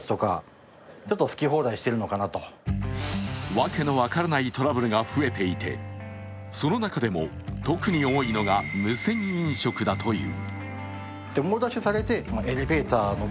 訳の分からないトラブルが増えていてその中でも、特に多いのが無銭飲食だという。